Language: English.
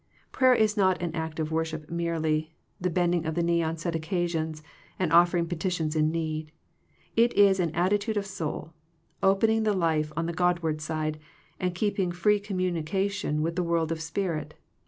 Prayer is not an act of worship merely, the bending of the knee on set occasions, and offering petitions in need. It is an attitude of soul, opening the life on the Godward side, and keeping free commu nication with the world of spirit.